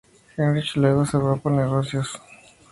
Heinrich luego se va por negocios, a.o.